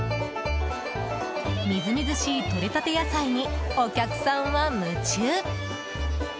みずみずしい、とれたて野菜にお客さんは夢中。